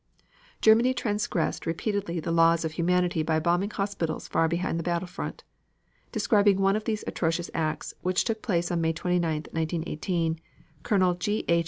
Germany transgressed repeatedly the laws of humanity by bombing hospitals far behind the battle front. Describing one of these atrocious attacks, which took place May 29, 1918, Colonel G. H.